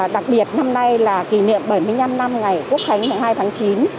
đặc biệt năm nay là kỷ niệm bảy mươi năm năm ngày quốc khánh hai tháng chín